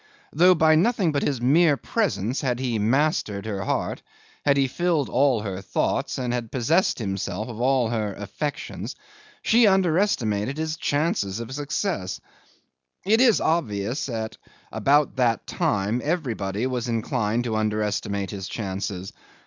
Though by nothing but his mere presence he had mastered her heart, had filled all her thoughts, and had possessed himself of all her affections, she underestimated his chances of success. It is obvious that at about that time everybody was inclined to underestimate his chances.